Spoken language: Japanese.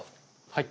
はい。